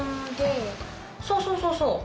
そうそうそうそう。